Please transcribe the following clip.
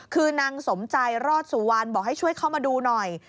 คือนางสมใจรอดสุวรรณบอกให้ช่วยเข้ามาดูหน่อย